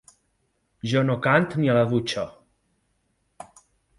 Jo no cant ni a la dutxa.